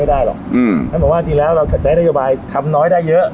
ท่านบอกว่าจริงแล้วเราใช้นโยบายทำน้อยได้เยอะ